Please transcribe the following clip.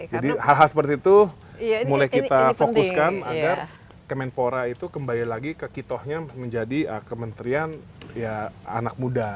jadi hal hal seperti itu mulai kita fokuskan agar kemenpora itu kembali lagi ke kitohnya menjadi kementerian anak muda